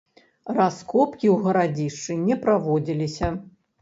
Раскопкі ў гарадзішчы не праводзіліся.